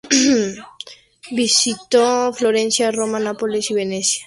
Visitó Florencia, Roma, Nápoles y Venecia escogiendo algo de cada uno de estos lugares.